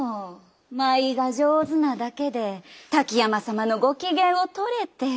舞が上手なだけで滝山様のご機嫌をとれて。